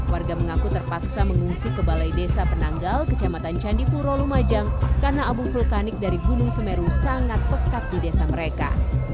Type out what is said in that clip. warga mengaku terpaksa mengungsi ke balai desa penanggal kecamatan candipuro lumajang karena abu vulkanik dari gunung semeru sangat pekat di desa mereka